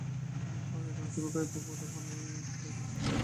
আর এখানে তুমি কয়েক ফোটা পানি ছাড়া কিছুই পাবেনা।